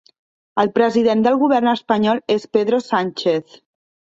El president del govern espanyol és Pedro Sánchez.